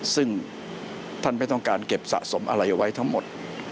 ซึ่งท่านไม่ต้องการเก็บสะสมอะไรไว้ทั้งหมด